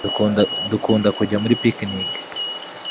Dukunda kujya muri picnike